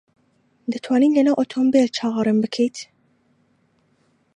دەتوانیت لەناو ئۆتۆمۆبیل چاوەڕێم بکەیت؟